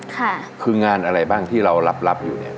ค่ะคืองานอะไรบ้างที่เรารับอยู่เนี่ย